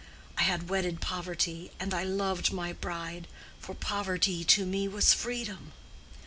I had wedded poverty, and I loved my bride—for poverty to me was freedom.